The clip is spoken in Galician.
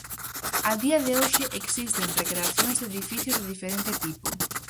A día de hoxe existen recreacións de edificios de diferente tipo.